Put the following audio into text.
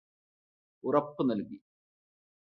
ഉറപ്പ് നല്കി.